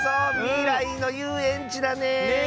みらいのゆうえんちだね！